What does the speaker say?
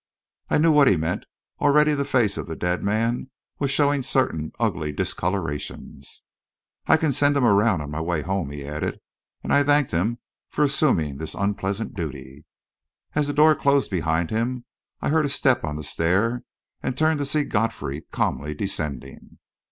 I knew what he meant. Already the face of the dead man was showing certain ugly discolourations. "I can send him around on my way home," he added, and I thanked him for assuming this unpleasant duty. As the door closed behind him, I heard a step on the stair, and turned to see Godfrey calmly descending.